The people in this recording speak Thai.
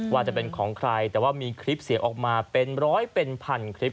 ว่าจะเป็นของใครแต่ว่ามีคลิปเสียงออกมาเป็นร้อยเป็นพันคลิป